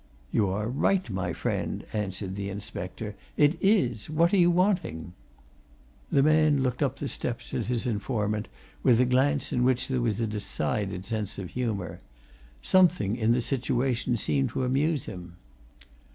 "You are right, my friend," answered the inspector. "It is! What are you wanting?" The man looked up the steps at his informant with a glance in which there was a decided sense of humour. Something in the situation seemed to amuse him.